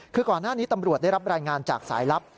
คือก่อนหน้านี้ตำรวจได้รับรายงานจากสายลับ